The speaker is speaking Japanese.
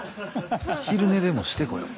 昼寝でもしてこよ。